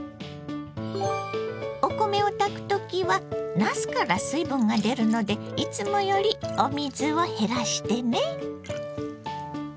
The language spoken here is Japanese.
お米を炊く時はなすから水分が出るのでいつもよりお水を減らしてね。